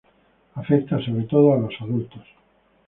Afecta sobre todo a adultos.